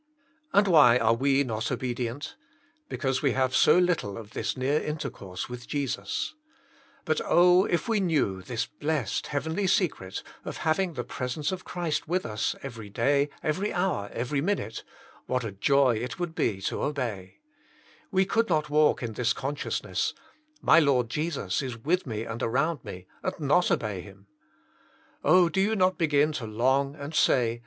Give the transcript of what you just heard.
And why are we not obedient ? Because we have so little of this near intercourse with Jesus. But, oh, if we knew TTblB blessed, f)eat^enls secret of having the presence of Christ with us every day, every hour, every min ute, what a joy it would be to obey I We could not walk in this conscious ness, — My Lord Jesus is with me and around me, — and not obey Him I Oh, do you not begin to long and say.